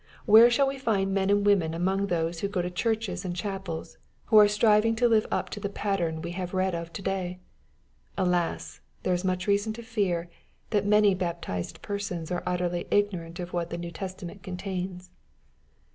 Where shall we find men and women among those who go to churches and chapels, who are striving to live up to the pattern we have read of to day ? Alas 1 there is much reason to fear, that many baptized persons are utterly ignorant of what the New Testament contains.